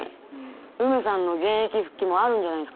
ウメさんの現役復帰もあるんじゃないっすか。